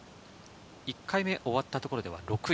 １回目が終わったところでは６位。